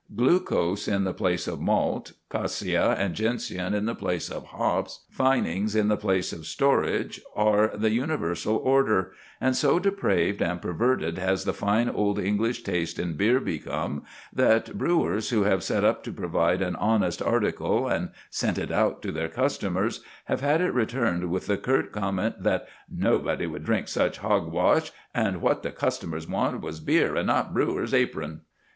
Glucose in the place of malt, quassia and gentian in the place of hops, finings in the place of storage, are the universal order; and so depraved and perverted has the fine old English taste in beer become that brewers who have set up to provide an honest article and sent it out to their customers have had it returned with the curt comment that "nobody would drink such hog wash, and what the customers wanted was beer, and not brewer's apron."